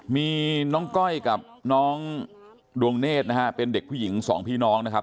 มีน้องก้อยกับน้องดวงเนธนะฮะเป็นเด็กผู้หญิงสองพี่น้องนะครับ